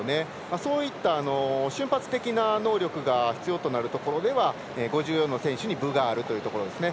そういった瞬発的な能力が必要となるところでは５４の選手に分があるというところですね。